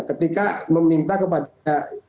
ketika meminta kepada